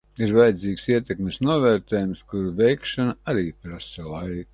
Ir vajadzīgs ietekmes novērtējums, kura veikšana arī prasa laiku.